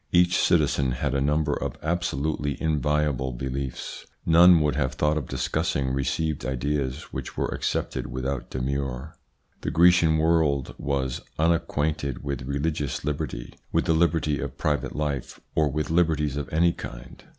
Each citizen had a number of absolutely inviolable beliefs ; none would have thought of discussing received ideas, which were accepted without demur. The Grecian world was unacquainted with religious liberty, with the liberty of private life, or with liberties of any kind.